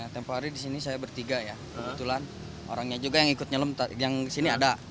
tempoh hari disini saya bertiga ya kebetulan orangnya juga yang ikut nyelem yang di sini ada